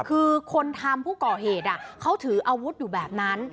คือคนทำผู้ก่อเหตุเขาถืออาวุธอยู่แบบนั้น